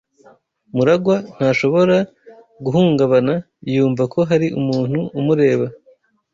MuragwA ntashobora guhungabana yumva ko hari umuntu umureba.